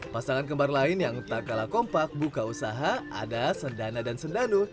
pasangan kembar lain yang tak kalah kompak buka usaha ada sendana dan sendanu